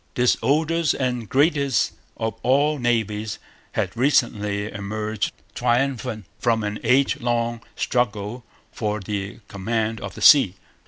This oldest and greatest of all navies had recently emerged triumphant from an age long struggle for the command of the sea.